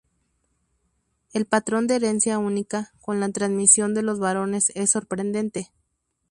El patrón de herencia única, con la transmisión de los varones es sorprendente.